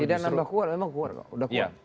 tidak menambah kuat memang kuat